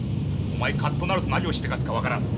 お前カッとなると何をしでかすか分からん。